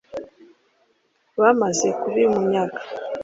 bamaze kubimunyaga